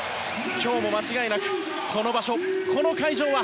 今日も間違いなくこの場所、この会場は